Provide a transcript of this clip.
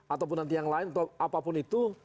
ataupun nanti yang lain atau apapun itu